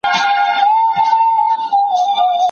زده کوونکي به خپل هدف ته رسېږي.